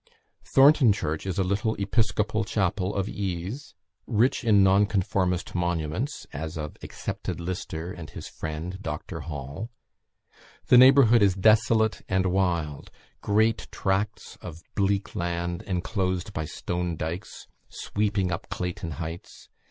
Thornton church is a little episcopal chapel of ease, rich in Nonconformist monuments, as of Accepted Lister and his friend Dr. Hall. The neighbourhood is desolate and wild; great tracts of bleak land, enclosed by stone dykes, sweeping up Clayton heights.